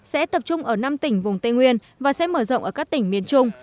sẽ tập trung ở năm tỉnh vùng tây nguyên và sẽ mở rộng ở các tỉnh miền trung